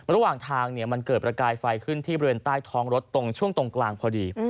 ระหว่างทางมันเกิดประกายไฟขึ้นที่บริเวณใต้ท้องรถตรงช่วงตรงกลางพอดี